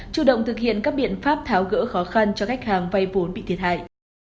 chủ động thực hiện các biện pháp tháo gỡ khó khăn cho khách hàng vay vốn bị thiệt hại